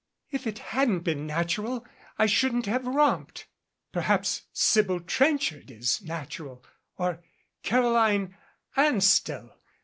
If it hadn't been natural I shouldn't have romped. Perhaps Sybil Trenchard is nat ural or Caroline Anstell.